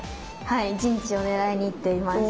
はい陣地を狙いにいっています。